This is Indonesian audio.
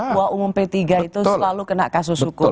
ketua umum p tiga itu selalu kena kasus hukum